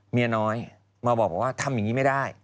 เมียน้อยมาบอกว่าทำอย่างนี้ไม่ได้